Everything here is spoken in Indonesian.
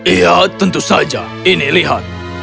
iya tentu saja ini lihat